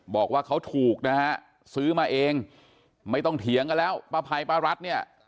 บอกว่าเขาถูกนะฮะซื้อมาเองไม่ต้องเถียงกันแล้วป้าภัยป้ารัฐเนี่ย